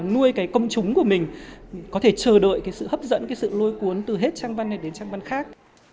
nuôi cái công chúng của mình có thể chờ đợi cái sự hấp dẫn cái sự lôi cuốn từ hết trang văn này đến trang văn khác